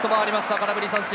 空振り三振。